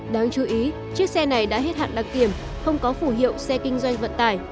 đáng chú ý chiếc xe này đã hết hạn đăng kiểm không có phủ hiệu xe kinh doanh vận tải